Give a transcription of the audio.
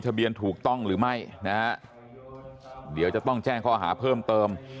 เบียนถูกต้องหรือไม่นะฮะเดี๋ยวจะต้องแจ้งข้อหาเพิ่มเติม